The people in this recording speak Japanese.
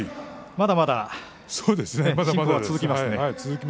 まだまだ、親交は続きますね。